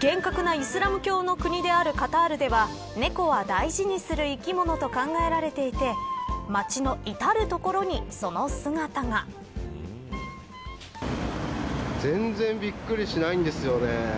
厳格なイスラム教の国であるカタールでは猫は大事にする生き物と考えられていて全然びっくりしないんですよね。